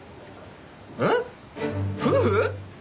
えっ夫婦？